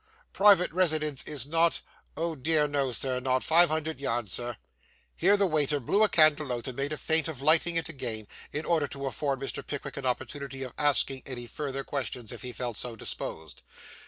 Private residence is not oh dear, no, sir, not five hundred yards, sir.' Here the waiter blew a candle out, and made a feint of lighting it again, in order to afford Mr. Pickwick an opportunity of asking any further questions, if he felt so disposed.